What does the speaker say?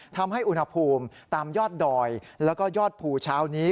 ทำให้อุณหภูมิตามยอดดอยแล้วก็ยอดภูเช้านี้